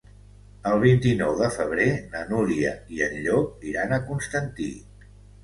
El vint-i-nou de febrer na Núria i en Llop iran a Constantí.